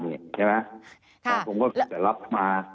พอผมถือหลักมา